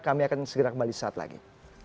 kami akan segera kembali saat lagi